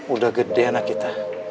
udah gede anak kita